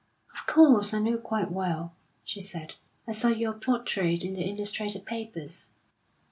"Of course, I know quite well," she said. "I saw your portrait in the illustrated papers."